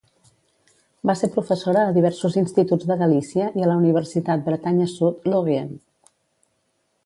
Va ser professora a diversos instituts de Galícia i a la Universitat Bretanya Sud, Lorient.